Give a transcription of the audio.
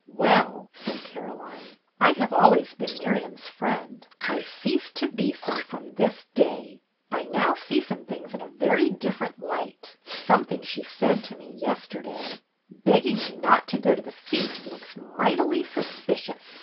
" Well," said Caroline, " I have always been Miriam's friend. I cease to be so from this day. I now see some things in a very differ ent light, — something she said to me yester day. Begging me not to go to the feast looks mightily suspicious.